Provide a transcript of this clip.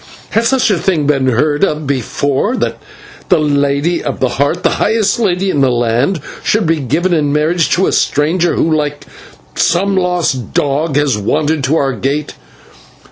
Has such a thing been heard of before, that the Lady of the Heart, the highest lady in the land, should be given in marriage to a stranger who, like some lost dog, has wandered to our gate?"